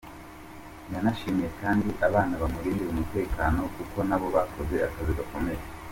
Yanashimiye kandi abana bamurindira umutekano kuko nabo bakoze akazi gakomeye.